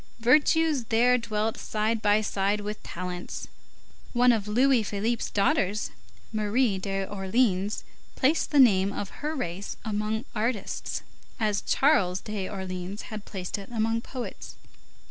Virtues there dwelt side by side with talents. One of Louis Philippe's daughters, Marie d'Orleans, placed the name of her race among artists, as Charles d'Orleans had placed it among poets.